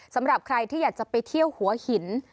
สำหรับใครที่อยากจะไปเที่ยวหัวหิน